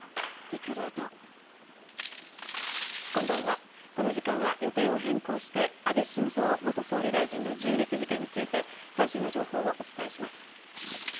この時間は予定を変更して、安倍晋三元総理大臣の銃撃事件について、最新の情報をお伝えします。